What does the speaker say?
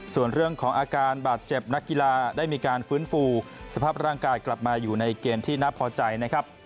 ส่วนเรื่องของอาการบาดเจ็บนักกีฬาได้มีการฟื้นฟูสภาพร่างกายกลับมาอยู่ในเกณฑ์ที่น่าพอใจนะครับ